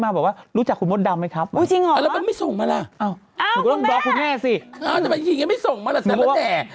อ้าวทำไมทีนี้ไม่ส่งมาล่ะแทนปะแด่